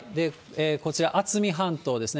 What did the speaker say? こちらあつみ半島ですね。